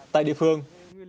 tại địa phương